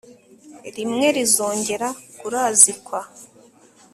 rimwe rizongera kurazikwa